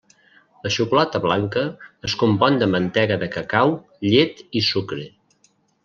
La xocolata blanca es compon de mantega de cacau, llet i sucre.